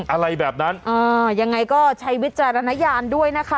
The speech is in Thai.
อะไรแบบนั้นอ่ายังไงก็ใช้วิจารณญาณด้วยนะคะ